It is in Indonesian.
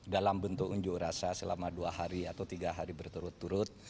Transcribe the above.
dalam bentuk unjuk rasa selama dua hari atau tiga hari berturut turut